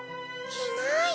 いない！